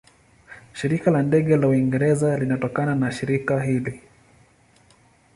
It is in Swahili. Shirika la Ndege la Uingereza linatokana na shirika hili.